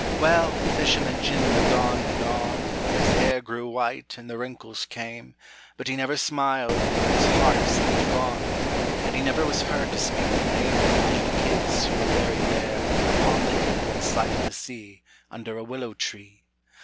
Well, fisherman Jim lived on and on, And his hair grew white and the wrinkles came, But he never smiled and his heart seemed gone, And he never was heard to speak the name Of the little kids who were buried there, Upon the hill in sight o' the sea, Under a willow tree.